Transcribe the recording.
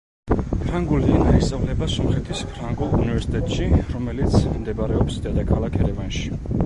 ფრანგული ენა ისწავლება სომხეთის ფრანგულ უნივერსიტეტში, რომელიც მდებარეობს დედაქალაქ ერევანში.